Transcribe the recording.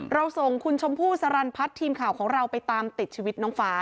เราส่งคุณชมพู่สรรพัฒน์ทีมข่าวของเราไปตามติดชีวิตน้องฟ้า